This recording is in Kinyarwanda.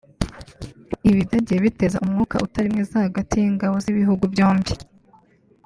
Ibi byagiye biteza umwuka utari mwiza hagati y’ingabo z’ibihugu byombi